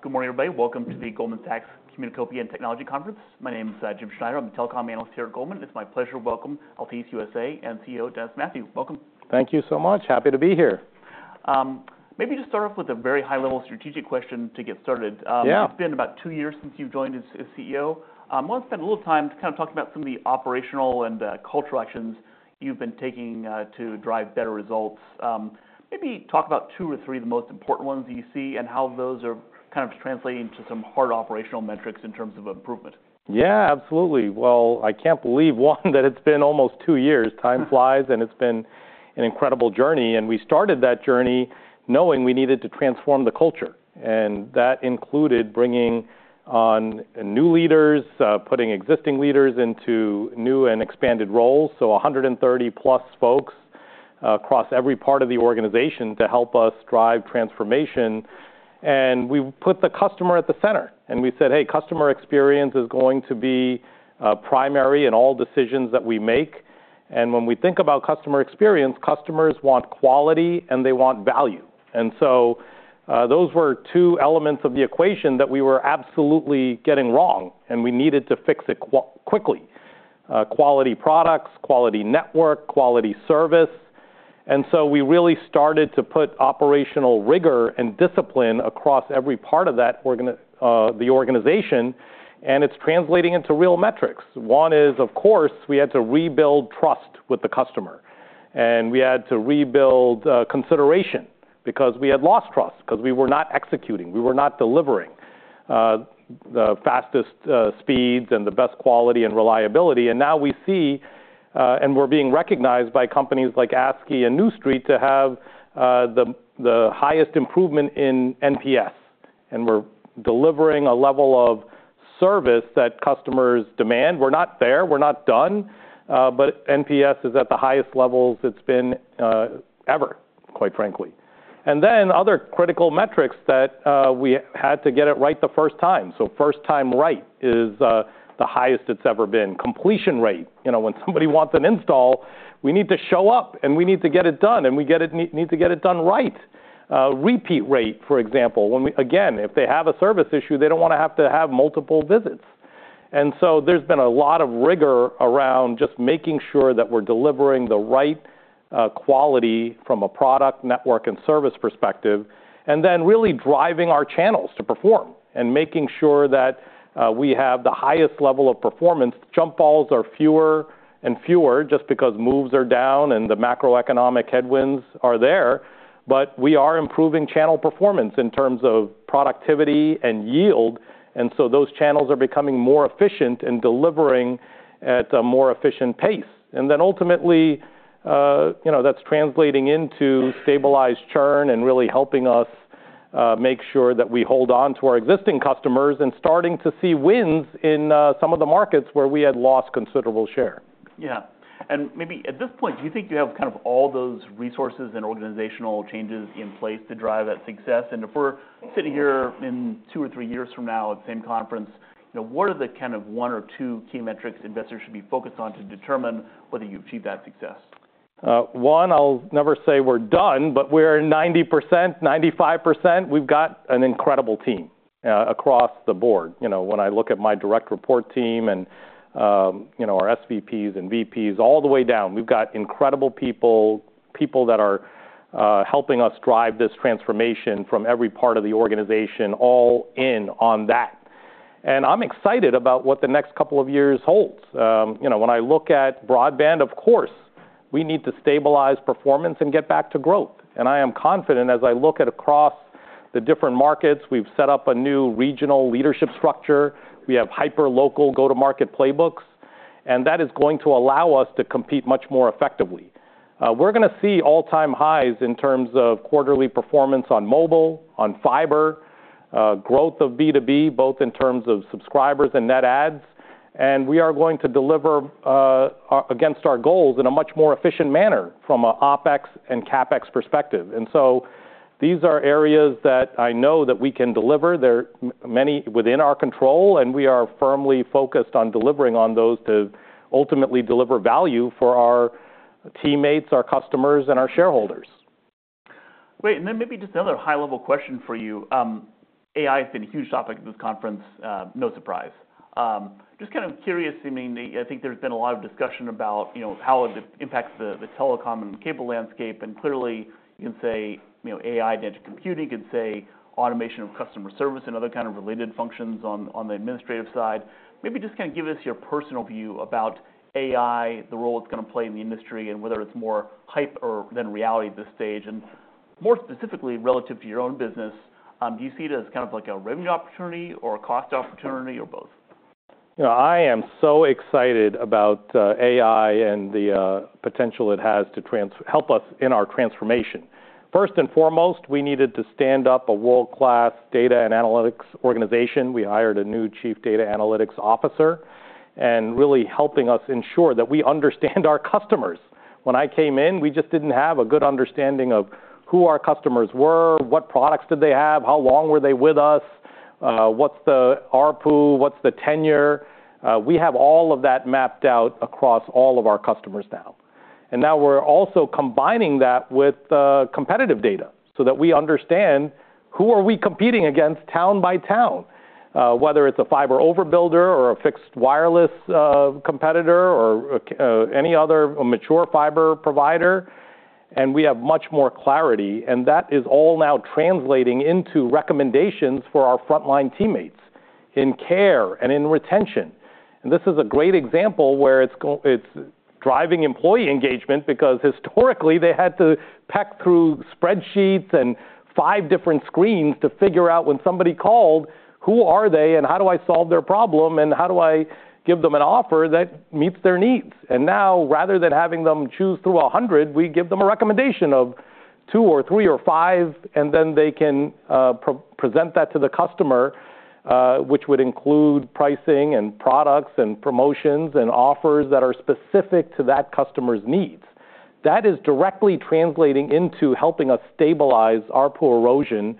Good morning, everybody. Welcome to the Goldman Sachs Communacopia + Technology Conference. My name is Jim Schneider. I'm a telecom analyst here at Goldman. It's my pleasure to welcome Altice USA and CEO Dennis Mathew. Welcome. Thank you so much. Happy to be here. Maybe just start off with a very high-level strategic question to get started. Yeah. It's been about two years since you've joined as CEO. I want to spend a little time to kind of talk about some of the operational and cultural actions you've been taking to drive better results. Maybe talk about two or three of the most important ones that you see and how those are kind of translating to some hard operational metrics in terms of improvement. Yeah, absolutely. Well, I can't believe, one, that it's been almost two years. Time flies, and it's been an incredible journey, and we started that journey knowing we needed to transform the culture. And that included bringing on new leaders, putting existing leaders into new and expanded roles, so 130+ folks across every part of the organization to help us drive transformation. And we put the customer at the center, and we said, hey, customer experience is going to be primary in all decisions that we make. And when we think about customer experience, customers want quality, and they want value. And so those were two elements of the equation that we were absolutely getting wrong, and we needed to fix it quickly. Quality products, quality network, quality service, and so we really started to put operational rigor and discipline across every part of that organization, and it's translating into real metrics. One is, of course, we had to rebuild trust with the customer, and we had to rebuild consideration because we had lost trust because we were not executing. We were not delivering the fastest speeds and the best quality and reliability. Now we see and we're being recognized by companies like ACSI and New Street to have the highest improvement in NPS, and we're delivering a level of service that customers demand. We're not there, we're not done, but NPS is at the highest levels it's been ever, quite frankly. Then, other critical metrics that we had to get it right the first time. So first time right is the highest it's ever been. Completion rate. You know, when somebody wants an install, we need to show up, and we need to get it done and we need to get it done right. Repeat rate, for example, again, if they have a service issue, they don't wanna have to have multiple visits. And so there's been a lot of rigor around just making sure that we're delivering the right quality from a product, network, and service perspective, and then really driving our channels to perform and making sure that we have the highest level of performance. Jump balls are fewer and fewer just because moves are down and the macroeconomic headwinds are there, but we are improving channel performance in terms of productivity and yield. And so those channels are becoming more efficient in delivering at a more efficient pace. And then ultimately, you know, that's translating into stabilized churn and really helping us make sure that we hold onto our existing customers and starting to see wins in some of the markets where we had lost considerable share. Yeah. And maybe at this point, do you think you have kind of all those resources and organizational changes in place to drive that success? And if we're sitting here in two or three years from now at the same conference, you know, what are the kind of one or two key metrics investors should be focused on to determine whether you've achieved that success? One, I'll never say we're done, but we're 90%, 95%. We've got an incredible team across the board. You know, when I look at my direct report team and, you know, our SVPs and VPs, all the way down, we've got incredible people, people that are helping us drive this transformation from every part of the organization, all in on that, and I'm excited about what the next couple of years holds. You know, when I look at broadband, of course, we need to stabilize performance and get back to growth, and I am confident as I look across the different markets. We've set up a new regional leadership structure, we have hyperlocal go-to-market playbooks, and that is going to allow us to compete much more effectively. We're gonna see all-time highs in terms of quarterly performance on mobile, on fiber, growth of B2B both in terms of subscribers and net adds, and we are going to deliver against our goals in a much more efficient manner from an OpEx and CapEx perspective. And so these are areas that I know that we can deliver. They're many within our control, and we are firmly focused on delivering on those to ultimately deliver value for our teammates, our customers, and our shareholders. Great, and then maybe just another high-level question for you. AI has been a huge topic at this conference, no surprise. Just kind of curious, I mean, I think there's been a lot of discussion about, you know, how it impacts the telecom and cable landscape. And clearly, you can say, you know, AI, edge computing. You can say automation of customer service and other kind of related functions on the administrative side. Maybe just kind of give us your personal view about AI, the role it's gonna play in the industry, and whether it's more hype than reality at this stage. And more specifically, relative to your own business, do you see it as kind of like a revenue opportunity or a cost opportunity or both? You know, I am so excited about AI and the potential it has to help us in our transformation. First and foremost, we needed to stand up a world-class data and analytics organization. We hired a new Chief Data Analytics Officer, and really helping us ensure that we understand our customers. When I came in, we just didn't have a good understanding of who our customers were. What products did they have? How long were they with us? What's the ARPU? What's the tenure? We have all of that mapped out across all of our customers now. And now we're also combining that with competitive data so that we understand who are we competing against town by town, whether it's a fiber overbuilder or a fixed wireless competitor or any other, a mature fiber provider. And we have much more clarity. And that is all now translating into recommendations for our frontline teammates in care and in retention. And this is a great example where it's driving employee engagement because historically they had to peck through spreadsheets and five different screens to figure out, when somebody called, who are they. And how do I solve their problem? And how do I give them an offer that meets their needs? And now, rather than having them choose through a hundred, we give them a recommendation of two or three or five. And then they can present that to the customer, which would include pricing and products and promotions and offers that are specific to that customer's needs. That is directly translating into helping us stabilize ARPU erosion,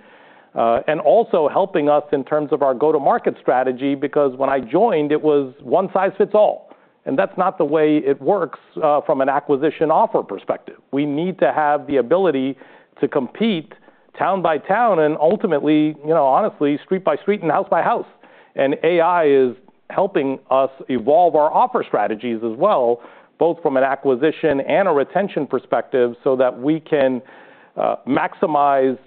and also helping us in terms of our go-to-market strategy. Because when I joined, it was one size fits all. That's not the way it works from an acquisition offer perspective. We need to have the ability to compete town by town and ultimately, you know, honestly, street by street and house by house. AI is helping us evolve our offer strategies as well, both from an acquisition and a retention perspective, so that we can maximize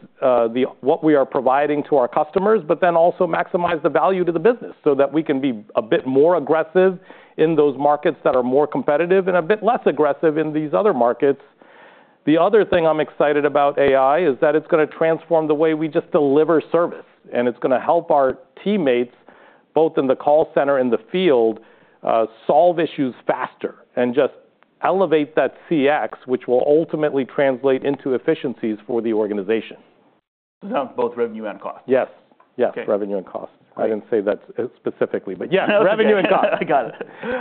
what we are providing to our customers but then also maximize the value to the business so that we can be a bit more aggressive in those markets that are more competitive and a bit less aggressive in these other markets. The other thing I'm excited about AI is that it's gonna transform the way we just deliver service, and it's gonna help our teammates, both in the call center and the field, solve issues faster and just elevate that CX, which will ultimately translate into efficiencies for the organization. Both revenue and cost. Yes. Okay. Yes, revenue and cost. Right. I didn't say that specifically, but yeah, revenue and cost. He got it.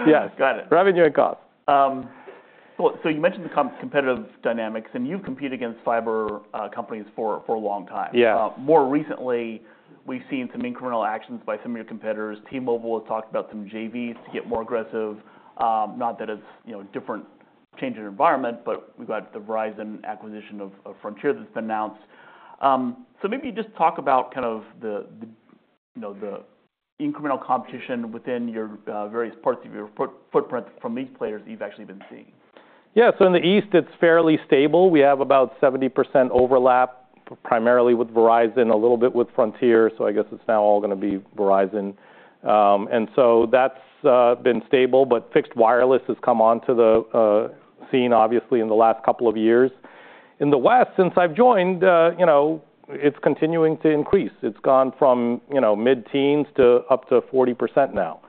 Yes, got it. Revenue and cost. So you mentioned the competitive dynamics, and you've competed against fiber companies for a long time. Yeah. More recently, we've seen some incremental actions by some of your competitors. T-Mobile has talked about some JVs to get more aggressive, not that it's, you know, different, change in environment, but we've got the Verizon acquisition of Frontier that's been announced. So maybe just talk about kind of the incremental competition within your various parts of your footprint from these players that you've actually been seeing. Yeah. So in the East, it's fairly stable. We have about 70% overlap, primarily with Verizon, a little bit with Frontier, so I guess it's now all gonna be Verizon. And so that's been stable, but fixed wireless has come onto the scene, obviously, in the last couple of years. In the West, since I've joined, you know, it's continuing to increase. It's gone from, you know, mid-teens to up to 40% now,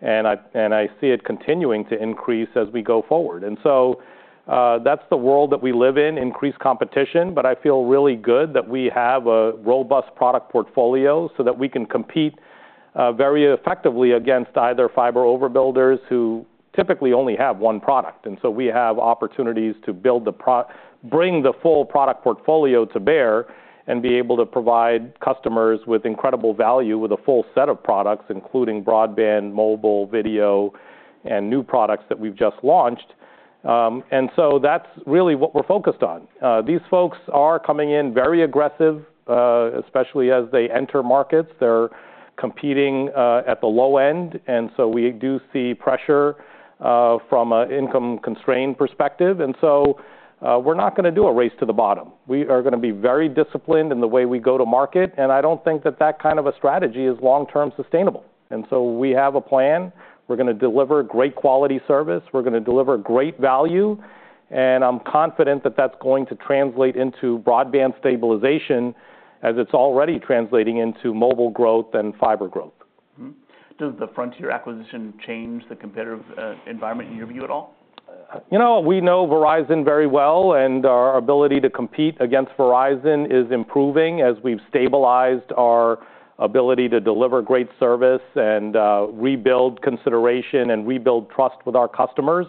and I see it continuing to increase as we go forward. And so that's the world that we live in, increased competition, but I feel really good that we have a robust product portfolio so that we can compete very effectively against either fiber overbuilders who typically only have one product. We have opportunities to bring the full product portfolio to bear and be able to provide customers with incredible value with a full set of products, including broadband, mobile, video, and new products that we've just launched. That's really what we're focused on. These folks are coming in very aggressive, especially as they enter markets. They're competing at the low end, and so we do see pressure from an income constrained perspective. We're not gonna do a race to the bottom. We are gonna be very disciplined in the way we go to market. And I don't think that kind of a strategy is long-term sustainable. We have a plan. We're gonna deliver great-quality service. We're gonna deliver great value, and I'm confident that that's going to translate into broadband stabilization as it's already translating into mobile growth and fiber growth. Mm-hmm. Does the Frontier acquisition change the competitive environment in your view at all? You know, we know Verizon very well, and our ability to compete against Verizon is improving as we've stabilized our ability to deliver great service and rebuild consideration and rebuild trust with our customers.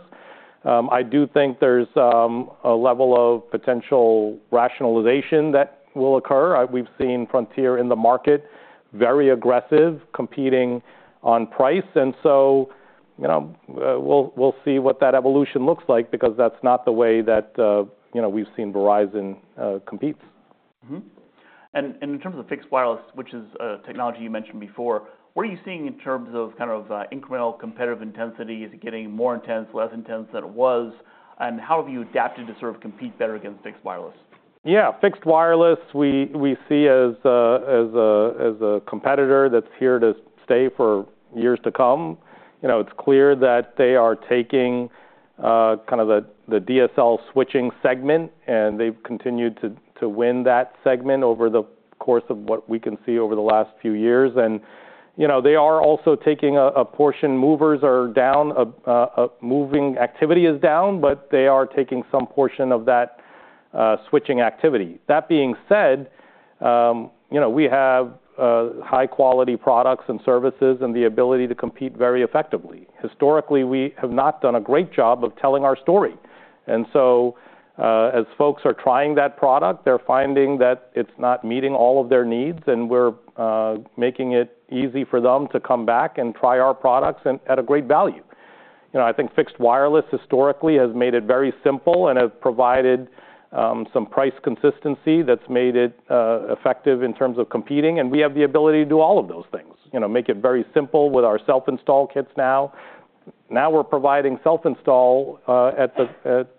I do think there's a level of potential rationalization that will occur. We've seen Frontier in the market, very aggressive, competing on price, and so, you know, we'll see what that evolution looks like because that's not the way that, you know, we've seen Verizon competes. Mm-hmm. And in terms of fixed wireless, which is a technology you mentioned before, what are you seeing in terms of kind of incremental competitive intensity? Is it getting more intense, less intense than it was? And how have you adapted to sort of compete better against fixed wireless? Yeah. Fixed wireless, we see as a competitor that's here to stay for years to come. You know, it's clear that they are taking kind of the DSL switching segment, and they've continued to win that segment over the course of what we can see over the last few years. And, you know, they are also taking a portion. Movers are down. Moving activity is down, but they are taking some portion of that switching activity. That being said, you know, we have high-quality products and services and the ability to compete very effectively. Historically, we have not done a great job of telling our story. And so as folks are trying that product, they're finding that it's not meeting all of their needs, and we're making it easy for them to come back and try our products at a great value. You know, I think fixed wireless historically has made it very simple and has provided some price consistency that's made it effective in terms of competing, and we have the ability to do all of those things, you know, make it very simple with our self-install kits now. Now we're providing self-install at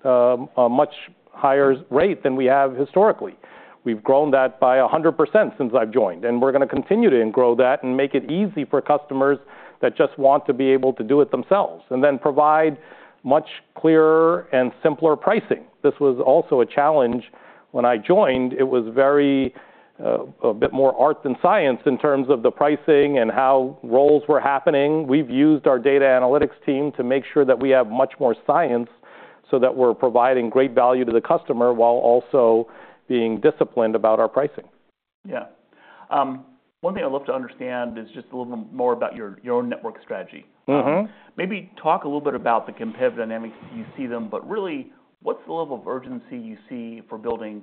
a much higher rate than we have historically. We've grown that by 100% since I've joined, and we're gonna continue to grow that and make it easy for customers that just want to be able to do it themselves and then provide much clearer and simpler pricing. This was also a challenge when I joined. It was very, a bit more art than science in terms of the pricing and how rolls were happening. We've used our data analytics team to make sure that we have much more science so that we're providing great value to the customer while also being disciplined about our pricing. Yeah. One thing I'd love to understand is just a little bit more about your own network strategy. Mm-hmm. Maybe talk a little bit about the competitive dynamics. You see them, but really what's the level of urgency you see for building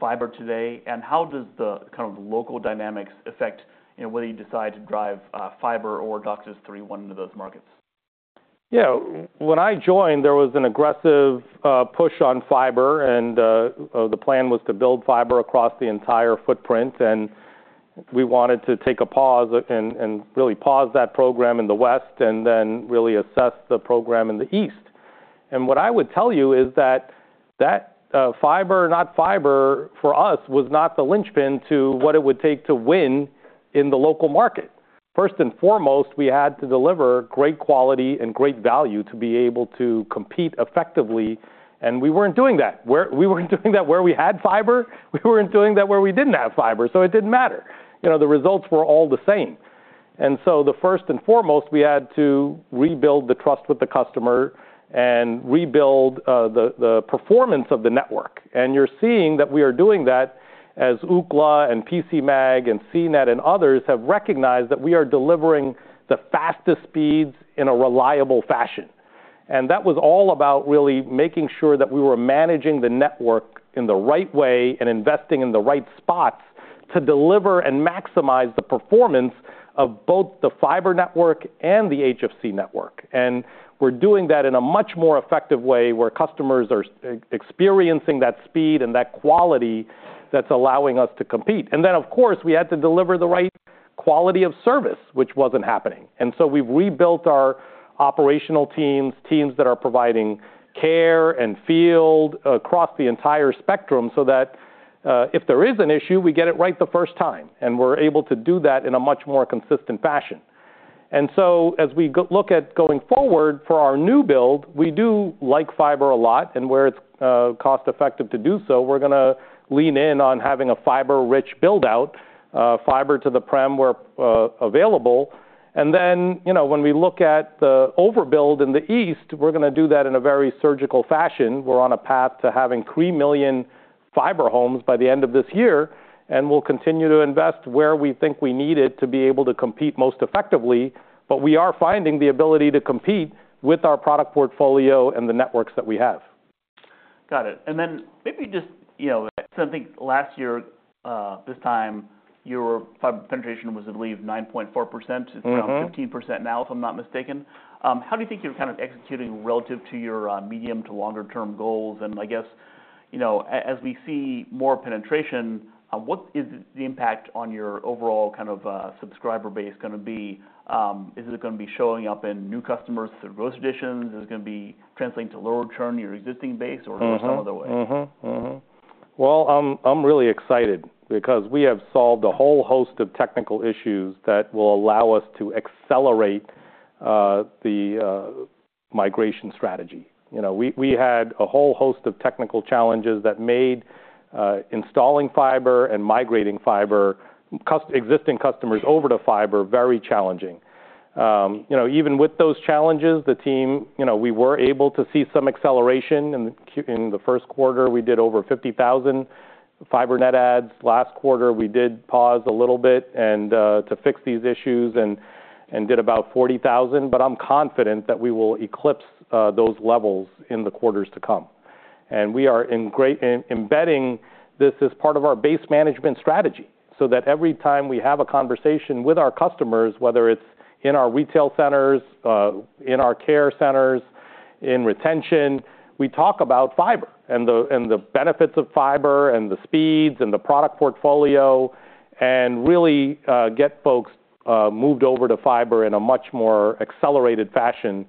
fiber today? And how does the kind of local dynamics affect, you know, whether you decide to drive fiber or DOCSIS 3.1 into those markets? Yeah. When I joined, there was an aggressive push on fiber, and the plan was to build fiber across the entire footprint, and we wanted to take a pause and really pause that program in the West and then really assess the program in the East. And what I would tell you is that, that fiber, not fiber, for us, was not the linchpin to what it would take to win in the local market. First and foremost, we had to deliver great quality and great value to be able to compete effectively, and we weren't doing that. We weren't doing that where we had fiber. We weren't doing that where we didn't have fiber, so it didn't matter. You know, the results were all the same. And so the first and foremost, we had to rebuild the trust with the customer and rebuild the performance of the network. And you're seeing that we are doing that as Ookla and PCMag and CNET and others have recognized that we are delivering the fastest speeds in a reliable fashion. And that was all about really making sure that we were managing the network in the right way and investing in the right spots to deliver and maximize the performance of both the fiber network and the HFC network. And we're doing that in a much more effective way where customers are experiencing that speed and that quality that's allowing us to compete. And then, of course, we had to deliver the right quality of service which wasn't happening. And so we've rebuilt our operational teams, teams that are providing care and field across the entire spectrum, so that, if there is an issue, we get it right the first time and we're able to do that in a much more consistent fashion. And so as we look at going forward for our new build, we do like fiber a lot, and where it's cost effective to do so, we're gonna lean in on having a fiber-rich build-out, fiber to the prem where available. And then, you know, when we look at the overbuild in the East, we're gonna do that in a very surgical fashion. We're on a path to having 3 million fiber homes by the end of this year. And we'll continue to invest where we think we need it to be able to compete most effectively, but we are finding the ability to compete with our product portfolio and the networks that we have. Got it, and then maybe just, you know, so I think last year, this time, your fiber penetration was, I believe, 9.4%. Mm-hmm. It's around 15% now, if I'm not mistaken. How do you think you're kind of executing relative to your medium- to longer-term goals? And I guess, you know, as we see more penetration, what is the impact on your overall kind of subscriber base gonna be? Is it gonna be showing up in new customers through gross additions? Is it gonna be translating to lower churn in your existing base? Mm-hmm Or in some other way. Mm-hmm. Mm-hmm. Well, I'm really excited because we have solved a whole host of technical issues that will allow us to accelerate the migration strategy. You know, we had a whole host of technical challenges that made installing fiber and migrating existing customers over to fiber very challenging. You know, even with those challenges, the team, you know, we were able to see some acceleration. In the first quarter, we did over 50,000 fiber net adds. Last quarter, we did pause a little bit to fix these issues and did about 40,000, but I'm confident that we will eclipse those levels in the quarters to come. We are embedding this as part of our base management strategy so that, every time we have a conversation with our customers, whether it's in our retail centers, in our care centers, in retention, we talk about fiber and the benefits of fiber and the speeds, and the product portfolio, and really get folks moved over to fiber in a much more accelerated fashion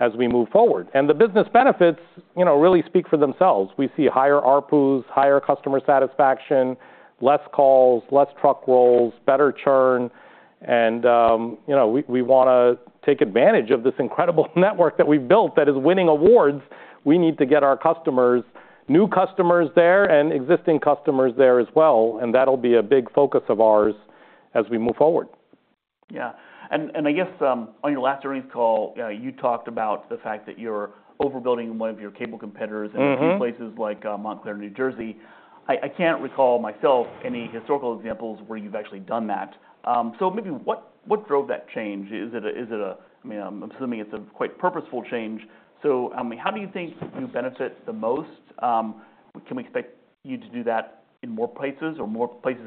as we move forward. The business benefits, you know, really speak for themselves. We see higher ARPUs, higher customer satisfaction, less calls, less truck rolls, better churn, and you know, we wanna take advantage of this incredible network that we've built that is winning awards. We need to get our customers, new customers there and existing customers there as well, and that'll be a big focus of ours as we move forward. Yeah, and I guess, on your last earnings call, you talked about the fact that you're overbuilding one of your cable competitors. Mm-hmm In a few places like Montclair, New Jersey. I can't recall myself any historical examples where you've actually done that. So maybe what drove that change? Is it, I mean I'm assuming it's a quite purposeful change. So, I mean, how do you think you benefit the most? Can we expect you to do that in more places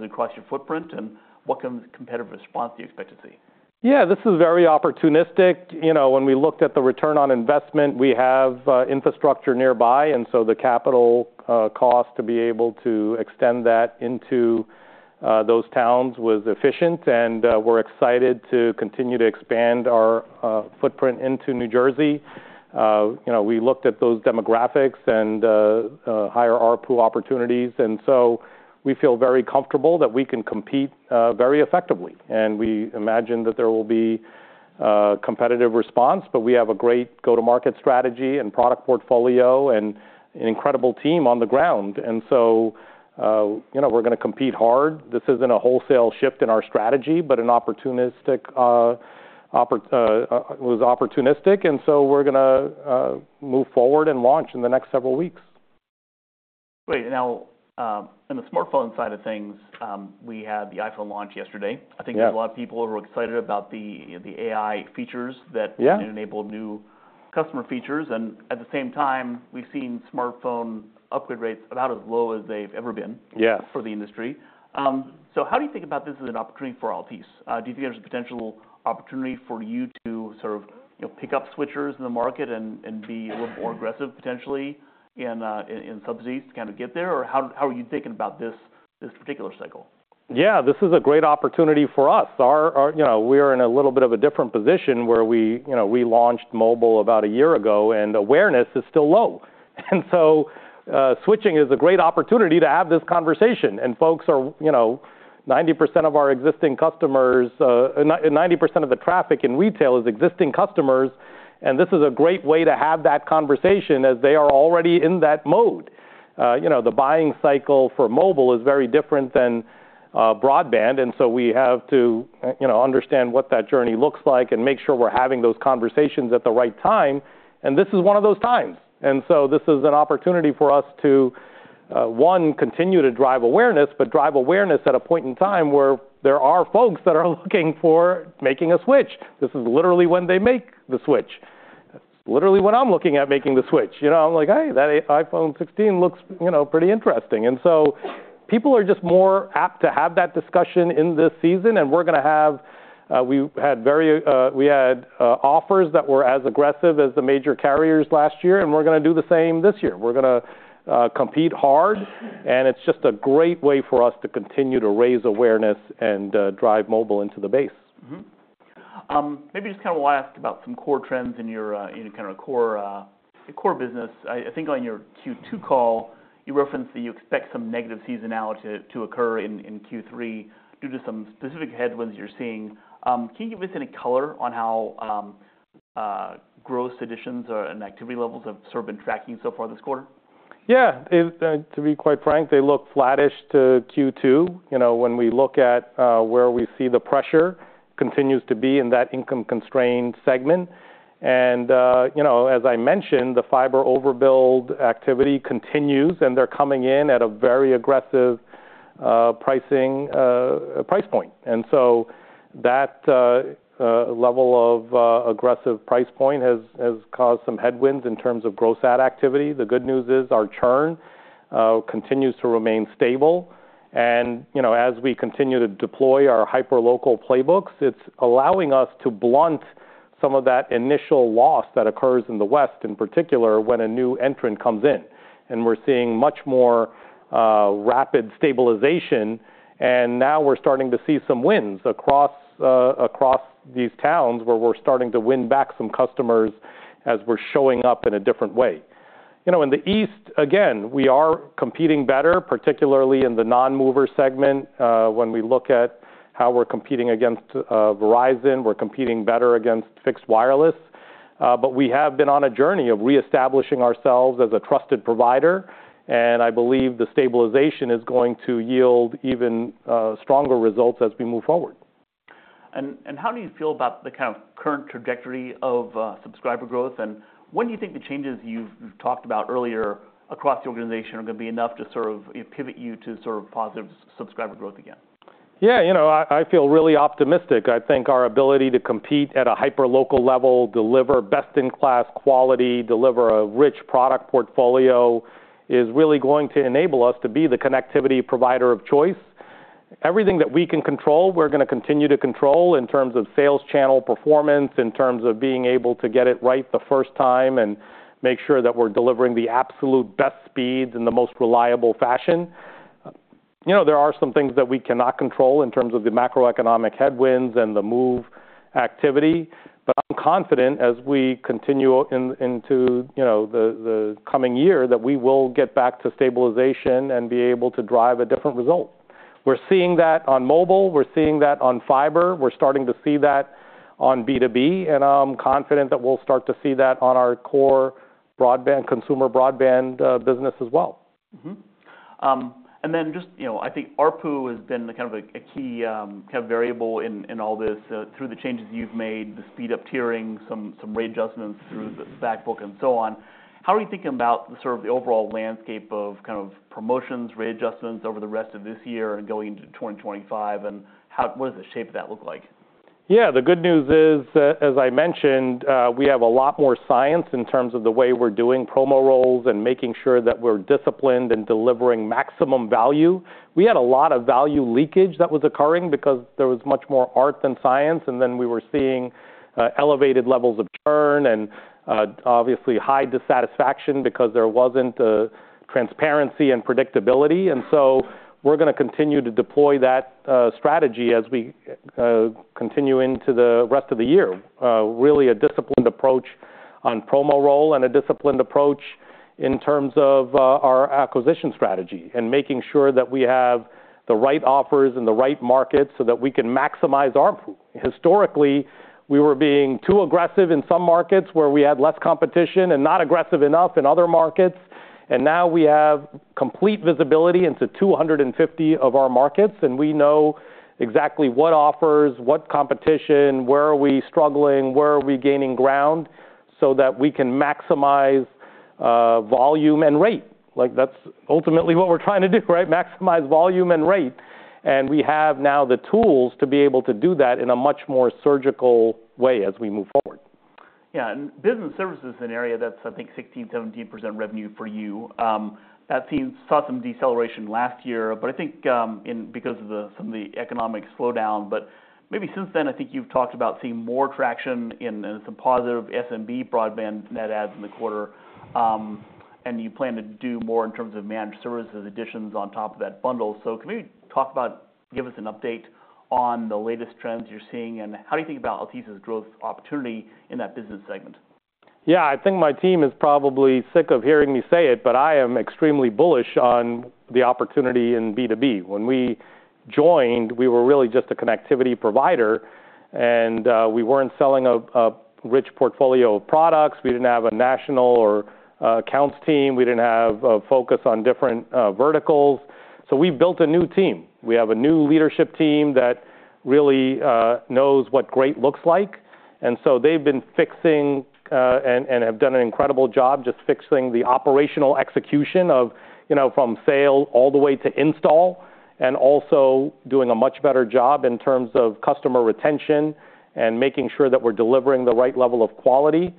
across your footprint? And what kind of competitive response do you expect to see? Yeah, this is very opportunistic. You know, when we looked at the return on investment, we have infrastructure nearby, and so the capital cost to be able to extend that into those towns was efficient, and we're excited to continue to expand our footprint into New Jersey. You know, we looked at those demographics and higher ARPU opportunities, and so we feel very comfortable that we can compete very effectively. And we imagine that there will be competitive response, but we have a great go-to-market strategy and product portfolio and an incredible team on the ground. And so, you know, we're gonna compete hard. This isn't a wholesale shift in our strategy but an opportunistic. It was opportunistic, and so we're gonna move forward and launch in the next several weeks. Great. Now, on the smartphone side of things, we had the iPhone launch yesterday. Yeah. I think there's a lot of people who are excited about the AI features that Yeah. Enable new customer features, and at the same time, we've seen smartphone upgrade rates about as low as they've ever been. Yeah For the industry. So how do you think about this as an opportunity for Altice? Do you think there's a potential opportunity for you to sort of, you know, pick up switchers in the market and be a little more aggressive, potentially, in [subsidy] to kind of get there? Or how are you thinking about this particular cycle? Yeah, this is a great opportunity for us. Our, you know, we're in a little bit of a different position where we, you know, we launched mobile about a year ago, and awareness is still low. And so switching is a great opportunity to have this conversation. And folks are, you know, 90% of our existing customers, 90% of the traffic in retail is existing customers, and this is a great way to have that conversation as they are already in that mode. You know, the buying cycle for mobile is very different than broadband, and so we have to, you know, understand what that journey looks like and make sure we're having those conversations at the right time, and this is one of those times. And so this is an opportunity for us to, one, continue to drive awareness but drive awareness at a point in time where there are folks that are looking for making a switch. This is literally when they make the switch, literally when I'm looking at making the switch. You know, I'm like, "Hey, that iPhone 16 looks, you know, pretty interesting." And so people are just more apt to have that discussion in this season, and we're gonna have. We had offers that were as aggressive as the major carriers last year, and we're gonna do the same this year. We're gonna compete hard, and it's just a great way for us to continue to raise awareness and drive mobile into the base. Mm-hmm. Maybe just kind of talk about some core trends in your kind of core business. I think, on your Q2 call, you referenced that you expect some negative seasonality to occur in Q3 due to some specific headwinds you're seeing. Can you give us any color on how gross additions or and activity levels have sort of been tracking so far this quarter? Yeah. To be quite frank, they look flattish to Q2. You know, when we look at where we see the pressure, continues to be in that income-constrained segment. And you know, as I mentioned, the fiber overbuild activity continues, and they're coming in at a very aggressive pricing price point. And so that level of aggressive price point has caused some headwinds in terms of gross add activity. The good news is our churn continues to remain stable. And you know, as we continue to deploy our hyperlocal playbooks, it's allowing us to blunt some of that initial loss that occurs in the West, in particular, when a new entrant comes in. We're seeing much more rapid stabilization, and now we're starting to see some wins across these towns, where we're starting to win back some customers as we're showing up in a different way. You know, in the East, again, we are competing better, particularly in the non-mover segment, when we look at how we're competing against Verizon. We're competing better against fixed wireless, but we have been on a journey of reestablishing ourselves as a trusted provider, and I believe the stabilization is going to yield even stronger results as we move forward. And how do you feel about the kind of current trajectory of subscriber growth? And when do you think the changes you've talked about earlier across the organization are gonna be enough to sort of pivot you to sort of positive subscriber growth again? Yeah, you know, I feel really optimistic. I think our ability to compete at a hyperlocal level, deliver best-in-class quality, deliver a rich product portfolio is really going to enable us to be the connectivity provider of choice. Everything that we can control, we're gonna continue to control in terms of sales channel performance, in terms of being able to get it right the first time and make sure that we're delivering the absolute best speeds in the most reliable fashion. You know, there are some things that we cannot control in terms of the macroeconomic headwinds and the move activity, but I'm confident, as we continue into, you know, the coming year, that we will get back to stabilization and be able to drive a different result. We're seeing that on mobile, we're seeing that on fiber, we're starting to see that on B2B. And I'm confident that we'll start to see that on our core broadband, consumer broadband, business as well. Mm-hmm. And then just, you know, I think ARPU has been the kind of a key kind of variable in all this through the changes you've made, the speed up-tiering, some rate adjustments through the back book and so on. How are you thinking about the sort of overall landscape of kind of promotions, rate adjustments over the rest of this year and going into 2025? And what does the shape of that look like? Yeah. The good news is, as I mentioned, we have a lot more science in terms of the way we're doing promo rolls and making sure that we're disciplined and delivering maximum value. We had a lot of value leakage that was occurring because there was much more art than science, and then we were seeing elevated levels of churn and obviously high dissatisfaction because there wasn't transparency and predictability. And so we're gonna continue to deploy that strategy as we continue into the rest of the year, really a disciplined approach on promo roll and a disciplined approach in terms of our acquisition strategy and making sure that we have the right offers in the right markets so that we can maximize ARPU. Historically, we were being too aggressive in some markets where we had less competition and not aggressive enough in other markets. And now we have complete visibility into 250 of our markets, and we know exactly what offers, what competition. Where are we struggling? Where are we gaining ground? So that we can maximize volume and rate. Like that's ultimately what we're trying to do, right, maximize volume and rate. And we have now the tools to be able to do that in a much more surgical way as we move forward. Yeah. And business services is an area that's, I think, 16%, 17% revenue for you. That team saw some deceleration last year but, I think, because of some of the economic slowdown. But maybe since then, I think you've talked about seeing more traction and some positive SMB broadband net adds in the quarter. And you plan to do more in terms of managed services additions on top of that bundle, so give us an update on the latest trends you're seeing. And how do you think about Altice's growth opportunity in that business segment? Yeah, I think my team is probably sick of hearing me say it, but I am extremely bullish on the opportunity in B2B. When we joined, we were really just a connectivity provider, and we weren't selling a rich portfolio of products. We didn't have a national or accounts team. We didn't have a focus on different verticals, so we built a new team. We have a new leadership team that really knows what great looks like. And so they've been fixing and have done an incredible job just fixing the operational execution of, you know, from sale all the way to install, and also doing a much better job in terms of customer retention and making sure that we're delivering the right level of quality.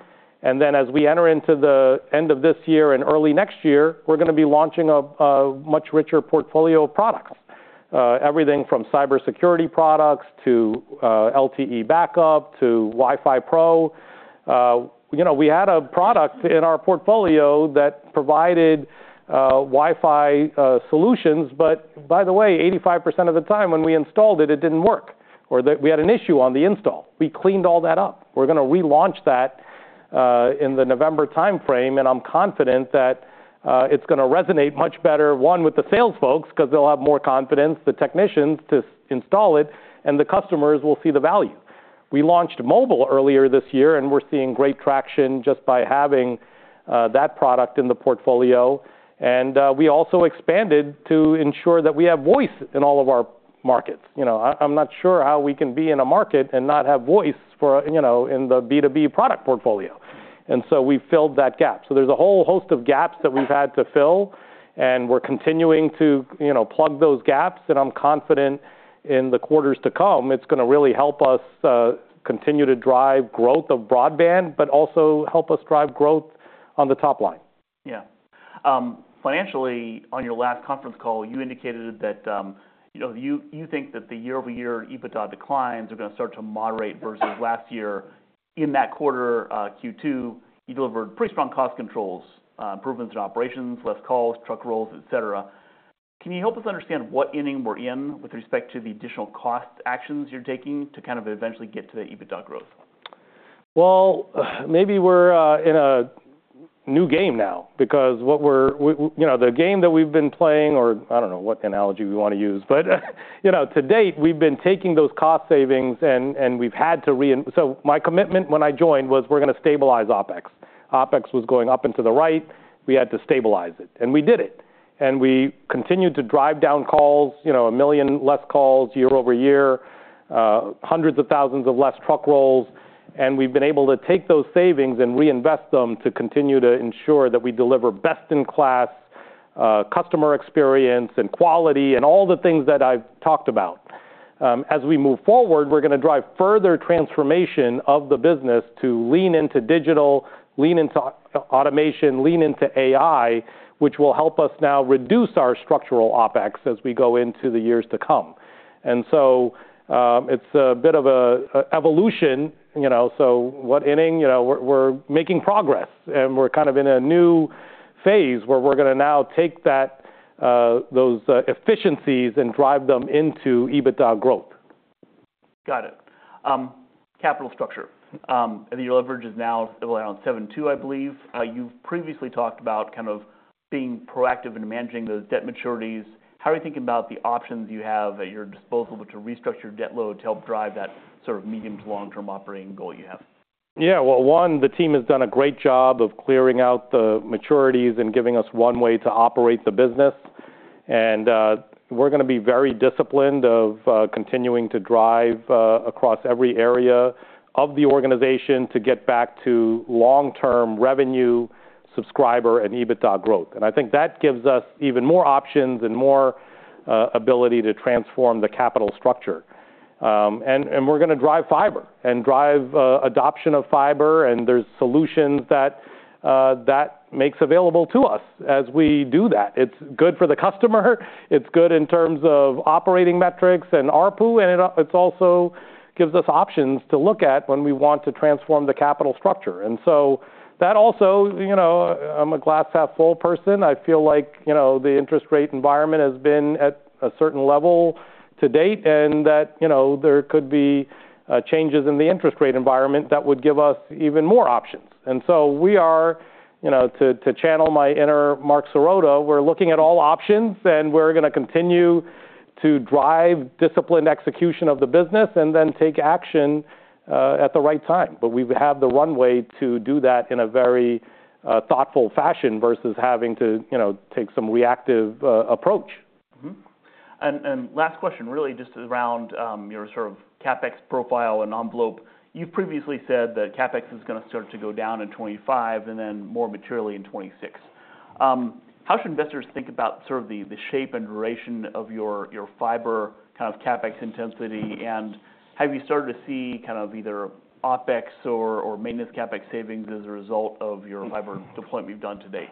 As we enter into the end of this year and early next year, we're gonna be launching a much richer portfolio of products, everything from cybersecurity products to LTE backup to Wi-Fi pro. You know, we had a product in our portfolio that provided Wi-Fi solutions, but by the way, 85% of the time when we installed it, it didn't work, or that we had an issue on the install. We cleaned all that up. We're gonna relaunch that in the November time frame. And I'm confident that it's gonna resonate much better, one, with the sales folks, because they'll have more confidence, the technicians, to install it, and the customers will see the value. We launched mobile earlier this year, and we're seeing great traction just by having that product in the portfolio. And we also expanded to ensure that we have voice in all of our markets. You know, I'm not sure how we can be in a market and not have voice for, you know, in the B2B product portfolio. And so we filled that gap. So there's a whole host of gaps that we've had to fill, and we're continuing to, you know, plug those gaps. And I'm confident, in the quarters to come, it's gonna really help us continue to drive growth of broadband but also help us drive growth on the top line. Yeah. Financially, on your last conference call, you indicated that, you know, you think that the year-over-year EBITDA declines are gonna start to moderate versus last year. In that quarter, Q2, you delivered pretty strong cost controls, improvements in operations, less calls, truck rolls, et cetera. Can you help us understand what inning we're in with respect to the additional cost actions you're taking to kind of eventually get to EBITDA growth? Well, maybe we're in a new game now. Because what we're, you know, the game that we've been playing, or I don't know what analogy we want to use, but, you know, to date, we've been taking those cost savings and we've had to. So my commitment when I joined was we're gonna stabilize OpEx. OpEx was going up and to the right. We had to stabilize it, and we did it. And we continued to drive down calls, you know, 1 million less calls year-over-year, hundreds of thousands of less truck rolls, and we've been able to take those savings and reinvest them to continue to ensure that we deliver best-in-class customer experience and quality and all the things that I've talked about. As we move forward, we're gonna drive further transformation of the business to lean into digital, lean into automation, lean into AI, which will help us now reduce our structural OpEx as we go into the years to come. And so it's a bit of an evolution, you know. So what inning? You know, we're making progress, and we're kind of in a new phase where we're gonna now take that, those efficiencies, and drive them into EBITDA growth. Got it. Capital structure. And your leverage is now around 7.2x, I believe. You've previously talked about kind of being proactive in managing those debt maturities. How are you thinking about the options you have at your disposal to restructure debt load to help drive that sort of medium- to long-term operating goal you have? Yeah, well, one, the team has done a great job of clearing out the maturities and giving us one way to operate the business. And we're gonna be very disciplined of continuing to drive across every area of the organization to get back to long-term revenue, subscriber, and EBITDA growth. And I think that gives us even more options and more ability to transform the capital structure. And we're gonna drive fiber and drive adoption of fiber, and there's solutions that that makes available to us as we do that. It's good for the customer, it's good in terms of operating metrics and ARPU, and it's also gives us options to look at when we want to transform the capital structure. And so that. Also, you know, I'm a glass-half-full person. I feel like, you know, the interest rate environment has been at a certain level to date and that, you know, there could be changes in the interest rate environment that would give us even more options. And so we are. You know, to channel my inner Marc Sirota: We're looking at all options. And we're gonna continue to drive disciplined execution of the business and then take action at the right time, but we have the runway to do that in a very thoughtful fashion versus having to, you know, take some reactive approach. Mm-hmm. And last question, really just around your sort of CapEx profile and envelope. You've previously said that CapEx is gonna start to go down in 2025 and then more materially in 2026. How should investors think about sort of the shape and duration of your fiber kind of CapEx intensity? And have you started to see kind of either OpEx or maintenance CapEx savings as a result of your fiber deployment you've done to date?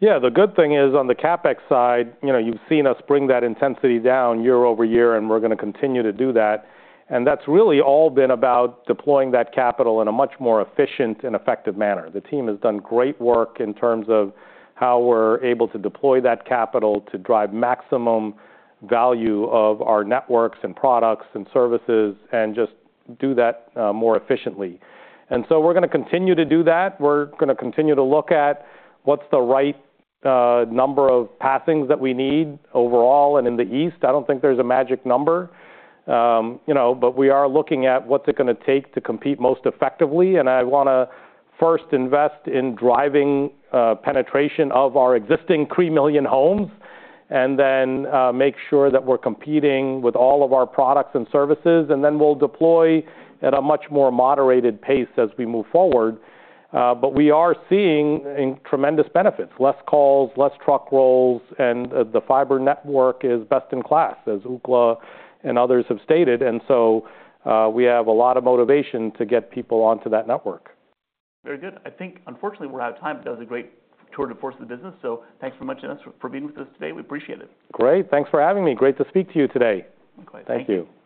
Yeah, the good thing is, on the CapEx side, you know, you've seen us bring that intensity down year-over-year. And we're gonna continue to do that. And that's really all been about deploying that capital in a much more efficient and effective manner. The team has done great work in terms of how we're able to deploy that capital to drive maximum value of our networks and products and services and just do that more efficiently. And so we're gonna continue to do that. We're gonna continue to look at what's the right number of passings that we need overall and in the East. I don't think there's a magic number, you know, but we are looking at what's it gonna take to compete most effectively. And I wanna first invest in driving penetration of our existing 3 million homes and then make sure that we're competing with all of our products and services. And then we'll deploy at a much more moderated pace as we move forward, but we are seeing tremendous benefits, less calls, less truck rolls. And the fiber network is best in class, as Ookla and others have stated, and so we have a lot of motivation to get people onto that network. Very good. I think, unfortunately, we're out of time. That was a great tour de force of the business, so thanks so much, Dennis, for being with us today. We appreciate it. Great. Thanks for having me. Great to speak to you today. Okay. Thank you.